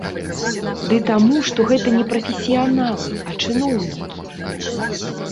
Ды таму, што гэта не прафесіяналы, а чыноўнікі!